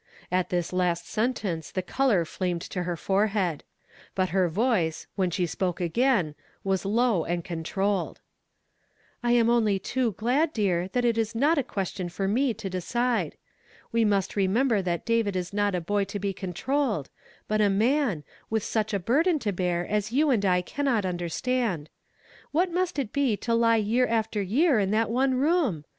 At this ast sentence the color flamed to her forfhead but her voice, when she spnk„ a^rn was 1 .,5 controlled. "'^'"" ™<J n YESTERDAY FRAMED IN TO DAY. J •"" T am only too glad, deai, that it is not a ques tion for me to decide. We must remember that David is not a boy to be controlled, but a man, with sueli a burden to bear as you and I cannot understand. VVhat must it be to lie year after year in that one room!